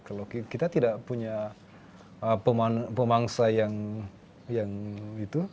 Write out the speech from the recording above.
kalau kita tidak punya pemangsa yang itu